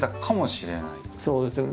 そうですよね。